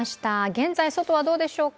現在外はどうでしょうか。